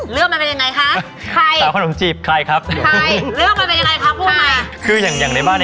เลือกมันเป็นยังไงคะ